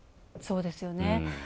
そうですよね。